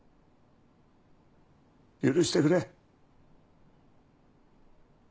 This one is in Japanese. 許してくれ。